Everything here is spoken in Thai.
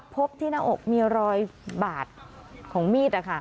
พบที่หน้าอกมีรอยบาดของมีด